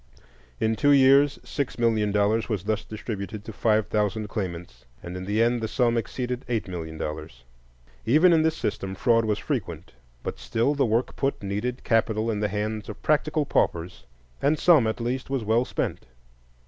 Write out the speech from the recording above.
In two years six million dollars was thus distributed to five thousand claimants, and in the end the sum exceeded eight million dollars. Even in this system fraud was frequent; but still the work put needed capital in the hands of practical paupers, and some, at least, was well spent.